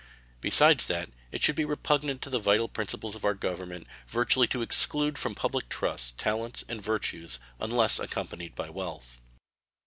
Besides that, it should be repugnant to the vital principles of our Government virtually to exclude from public trusts talents and virtue unless accompanied by wealth.